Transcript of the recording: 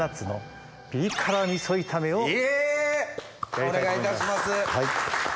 お願いいたします。